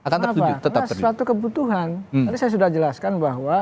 karena ada suatu kebutuhan